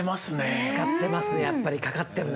使ってますねやっぱり。かかってるな。